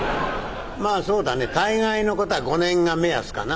「まぁそうだね大概のことは５年が目安かな」。